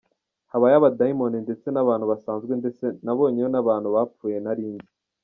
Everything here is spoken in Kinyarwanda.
Habayo abadayimoni ndetse n’abantu basanzwe ndetse nabonyeyo n’abantu bapfuye nari nzi.